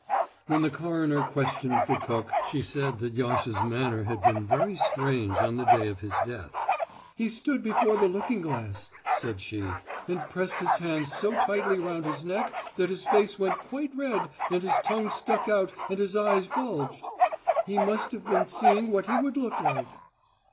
When the coroner questioned the cook, she said that Yasha's manner had been very strange on the day of his death. "He stood before the looking glass," said she, "and pressed his hands so tightly round his neck that his face went quite red and his tongue stuck out and his eyes bulged.... He must have been seeing what he would look like."